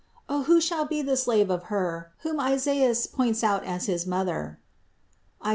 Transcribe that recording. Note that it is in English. O who shall be the slave of Her, whom Isaias points out as his Mother (Is.